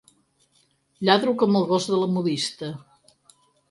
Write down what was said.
Lladro com el gos de la modista.